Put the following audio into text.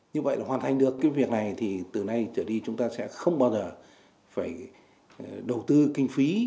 như vậy là hoàn thành được cái việc này thì từ nay trở đi chúng ta sẽ không bao giờ phải đầu tư kinh phí